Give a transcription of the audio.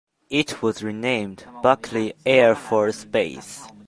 It was renamed Buckley Air Force Base.